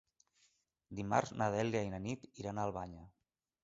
Dimarts na Dèlia i na Nit iran a Albanyà.